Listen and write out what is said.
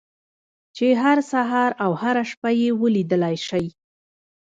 چې هر سهار او هره شپه يې وليدلای شئ.